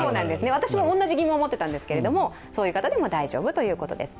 私も同じ疑問を持っていたんですけども、そういう方でも大丈夫ということです。